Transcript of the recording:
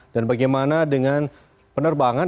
dan bagaimana dengan penerbangan